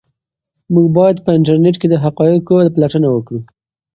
موږ باید په انټرنيټ کې د حقایقو پلټنه وکړو.